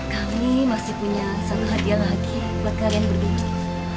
kami masih punya satu hadiah lagi buat kalian berdua